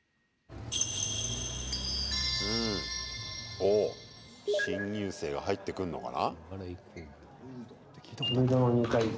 お、新入生が入ってくんのかな。